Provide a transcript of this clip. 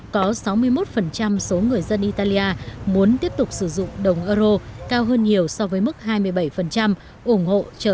có sáu mươi một số người dân italia muốn tiếp tục sử dụng đồng euro cao hơn nhiều so với mức hai mươi bảy ủng hộ trở